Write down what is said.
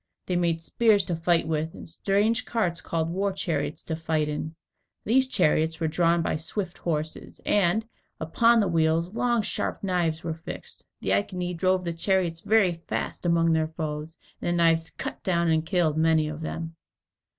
They made spears to fight with, and strange carts called war chariots to fight in. These chariots were drawn by swift horses, and, upon the wheels, long sharp knives were fixed. The Iceni drove the chariots very fast among their foes, and the knives cut down and killed many of them.